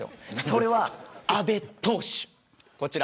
それは阿部投手です。